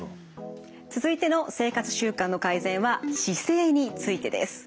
続いての生活習慣の改善は姿勢についてです。